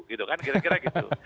gitu kan kira kira gitu